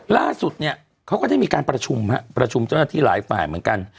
ล่าสุดเนี่ยเขาก็ได้มีการประชุมประชุมเจ้าหน้าที่หลายฝ่ายเหมือนกัน